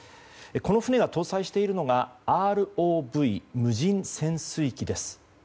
この船が搭載しているのがＲＯＶ・無人潜水機です。